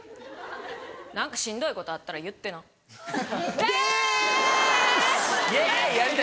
何かしんどいことあったら言ってな。です！です！